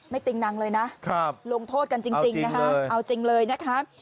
ไม่ติ้งนังเลยนะลงโทษกันจริงนะครับ